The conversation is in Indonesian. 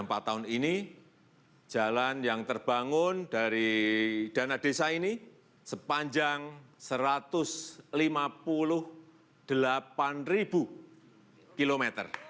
selama empat tahun ini jalan yang terbangun dari dana desa ini sepanjang satu ratus lima puluh delapan km